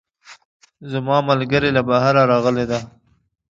زما ملګرۍ له بهره راغلی ده